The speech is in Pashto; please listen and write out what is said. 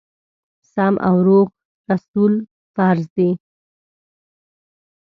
سم او روغ رسول فرض دي.